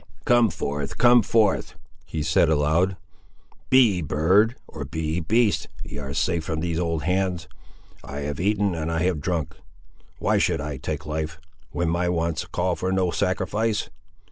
"Come forth, come forth!" he said aloud: "be ye bird, or be ye beast, ye are safe from these old hands. I have eaten and I have drunk: why should I take life, when my wants call for no sacrifice?